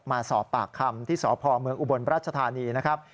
มาสอบปากคำที่สพเมืองอุบลราชธานีนะครับ